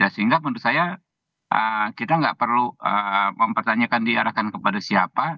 sehingga menurut saya kita nggak perlu mempertanyakan diarahkan kepada siapa